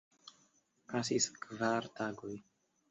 Pasis kvar tagoj.